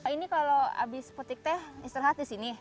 ini kalau habis petik teh istirahat di sini